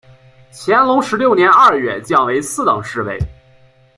乾隆十六年二月降为四等侍卫。